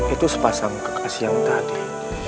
itu sepasang kekasi yang tadi